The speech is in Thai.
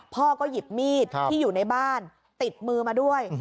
พ่อก็หยิบมีดที่อยู่ในบ้านติดมือมาด้วย